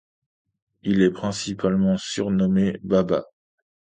Il est principalement surnommé Baba.